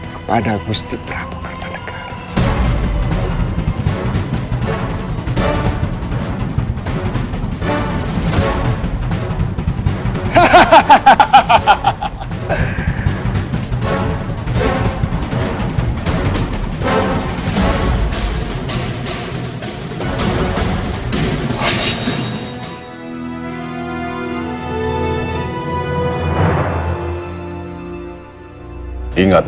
kepada gusti prabu kartanegara